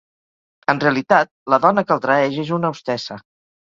En realitat, la dona que el traeix és una hostessa.